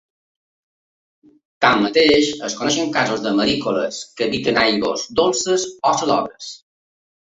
Tanmateix, es coneixen casos de marícoles que habiten aigües dolces o salobres.